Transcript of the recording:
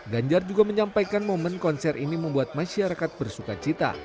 ganjar juga menyampaikan momen konser ini membuat masyarakat bersuka cita